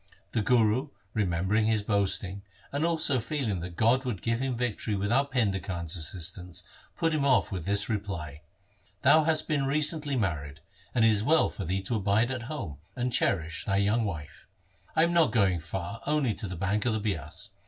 The Guru remembering his boasting, and also feeling that God would give him victory without Painda Khan's assistance, put him off with this reply, 'Thou hast been recently married, and it is well for thee to abide at home, and cherish thy young wife. I am not going far — only to the bank of the Bias.